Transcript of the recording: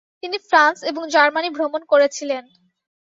তিনি ফ্রান্স এবং জার্মানি ভ্রমণ করেছিলেন।